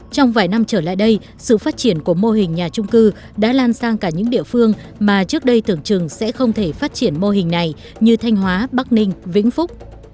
trong vài năm trở lại đây sự phát triển của mô hình nhà trung cư đã lan sang cả những địa phương mà trước đây tưởng chừng sẽ không thể phát triển mô hình này như thanh hóa bắc ninh vĩnh phúc